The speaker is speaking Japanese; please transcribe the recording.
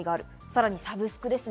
さらにサブスクです。